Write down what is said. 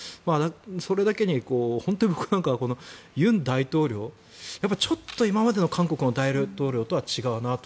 それだけに本当に僕なんかは尹大統領はちょっと今までの韓国の大統領とは違うなと。